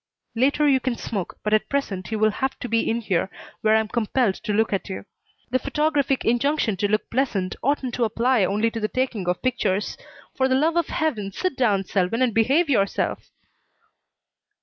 "Later you can smoke, but at present you will have to be in here where I'm compelled to look at you. The photographic injunction to look pleasant oughtn't to apply only to the taking of pictures. For the love of Heaven, sit down, Selwyn, and behave yourself!"